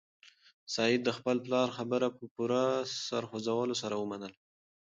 سعید د خپل پلار خبره په پوره سر خوځولو سره ومنله.